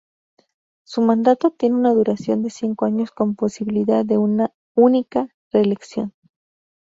Su mandato tiene una duración de cinco años con posibilidad de una única reelección.